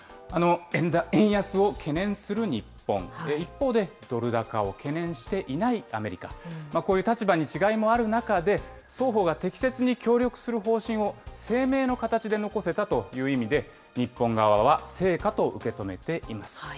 円安を懸念する日本、一方でドル高を懸念していないアメリカ、こういう立場に違いもある中で、双方が適切に協力する方針を、声明の形で残せたという意味で、日本側は成果と受け止めています。